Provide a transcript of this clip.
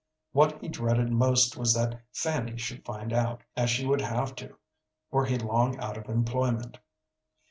What he dreaded most was that Fanny should find out, as she would have to were he long out of employment.